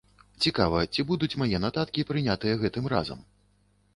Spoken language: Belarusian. Цікава, ці будуць мае нататкі прынятыя гэтым разам?